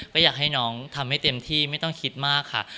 ก็อยากให้น้องทำให้เต็มที่ไม่ต้องคิดมากค่ะ